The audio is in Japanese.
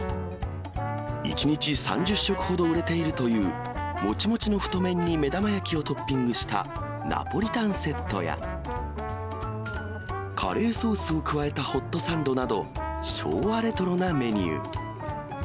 １日３０食ほど売れているという、もちもちの太麺に目玉焼きをトッピングしたナポリタンセットや、カレーソースを加えたホットサンドなど、昭和レトロなメニュー。